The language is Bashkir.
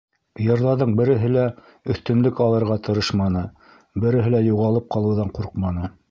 Йырҙарҙың береһе лә өҫтөнлөк алырға тырышманы, береһе лә юғалып ҡалыуҙан ҡурҡманы.